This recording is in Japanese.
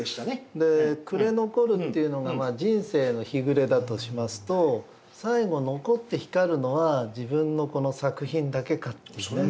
「暮れ残る」っていうのが人生の日暮れだとしますと最後残って光るのは自分のこの作品だけかっていうね。